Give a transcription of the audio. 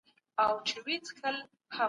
حضوري ټولګي د ګډو تمرينونو فضا رامنځته کړه.